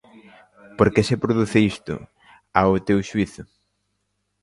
Por que se produce isto, ao teu xuízo?